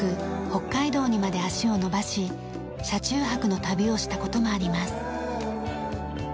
北海道にまで足を延ばし車中泊の旅をした事もあります。